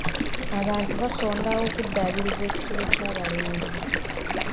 Abantu basonda okuddaabiriza ekisulo ky'abalenzi.